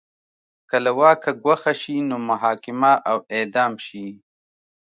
که له واکه ګوښه شي نو محاکمه او اعدام شي